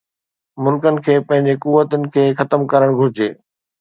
ملڪن کي پنهنجي قوتن کي ختم ڪرڻ گهرجي